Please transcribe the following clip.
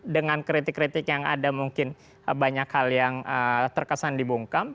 dengan kritik kritik yang ada mungkin banyak hal yang terkesan dibungkam